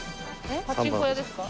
パチンコ屋ですか？